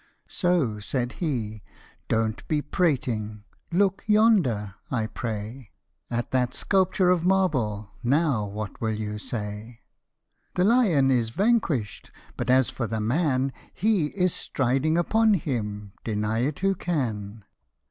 " So," said he, " don't be prating, look yonder, I pray, At that sculpture of marble, now what will you say ?" The lion is vanquish'd ; but, as for the man, He is striding upon him ; deny it who can.